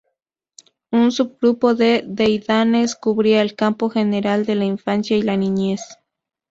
Un subgrupo de deidades cubría el campo general de la infancia y la niñez.